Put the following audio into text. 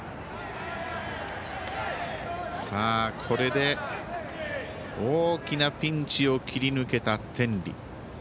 これで大きなピンチを切り抜けた天理。